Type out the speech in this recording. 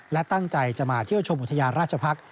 และตั้งใจจะมาเที่ยวชมอุทยานราชพักษ์